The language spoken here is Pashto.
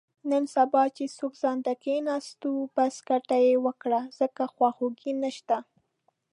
نن سبا چې څوک ځانته کېناستو، بس ګټه یې وکړه، ځکه خواخوږی نشته.